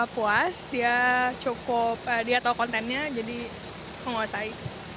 puas dia cukup dia tahu kontennya jadi menguasai